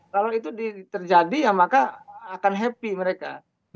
kalau itu terjadi ya maka akan happy mereka